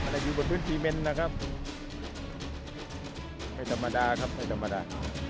แต่อยู่บนพื้นซีเมนนะครับไม่ธรรมดาครับไม่ธรรมดา